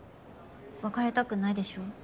別れたくないでしょ？